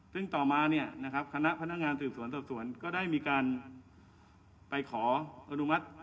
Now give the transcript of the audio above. ซึ่งต่อมาคณะพนักงานสืบสวนสอบสวนก็ได้มีการไปขออนุมัติ